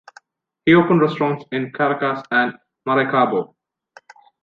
He opened restaurants in Caracas and Maracaibo.